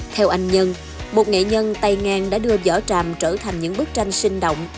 theo anh nhân một nghệ nhân tây ngang đã đưa vỏ tràm trở thành những bức tranh sinh động